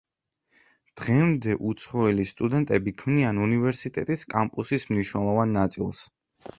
დღემდე უცხოელი სტუდენტები ქმნიან უნივერსიტეტის კამპუსის მნიშვნელოვან ნაწილს.